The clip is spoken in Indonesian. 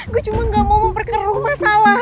gue cuma gak mau memperkeruh masalah